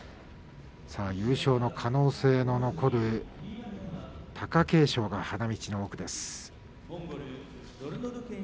優勝の可能性が残る貴景勝が花道の奥です。